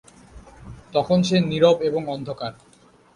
তখন যে সমস্ত নীরব এবং অন্ধকার।